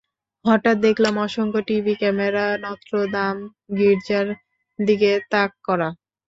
হঠাৎ দেখলাম অসংখ্য টিভি ক্যামেরা নত্র দাম গির্জার দিকে তাক করা।